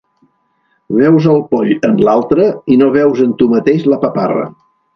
Veus el poll en l'altre, i no veus en tu mateix la paparra.